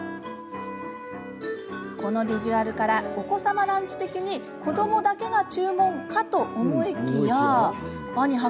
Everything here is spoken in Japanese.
このビジュアルからお子様ランチ的に子どもだけが注文かと思いきやあに図らんや